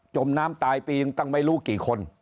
มน้ำตายปีนึงตั้งไม่รู้กี่คน